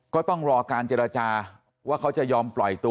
ก็ต้องรอการเจรจาว่าเขาจะยอมปล่อยตัว